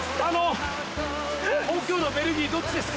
故郷のベルギーどっちですか？